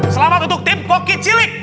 selamat untuk tim koki cilik